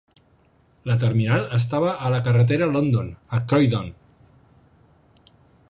La terminal estava a la carretera London, a Croydon.